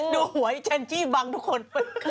ดูหัวให้เจนจี้บังทุกคน